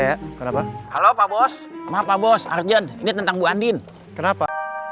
halo kenapa halo pak bos maaf pak bos arjen ini tentang bu andin kenapa